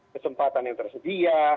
kesempatan yang tersedia